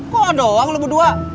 kok doang lo berdua